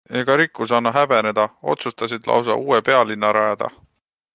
Ega rikkus anna häbeneda, otsustasid lausa uue pealinna rajada.